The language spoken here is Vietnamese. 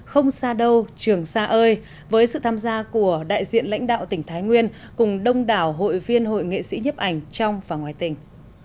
không xa đâu trường xa ơi với sự tham gia của đại diện lãnh đạo tỉnh thái nguyên cùng đông đảo hội viên hội nghệ sĩ nhấp ảnh trong và ngoài tỉnh